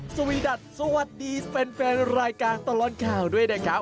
สวีดัทสวัสดีแฟนรายการตลอดข่าวด้วยนะครับ